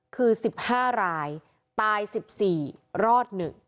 คือ๑๕รายตาย๑๔รอด๑